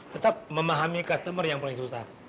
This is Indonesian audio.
tetap memahami customer yang paling susah